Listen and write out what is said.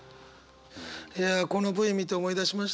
いやこのＶ見て思い出しました。